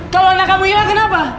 kalau anak kamu hilang kenapa